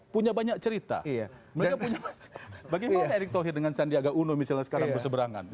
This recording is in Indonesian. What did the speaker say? punya banyak cerita iya bagi eric tohid dengan sandiaga uno misalnya sekarang berseberangan